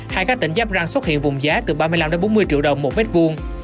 hay các tỉnh giáp ranh xuất hiện vùng giá từ ba mươi năm bốn mươi triệu đồng một mét vuông